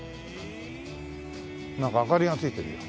なんか明かりがついてるよ。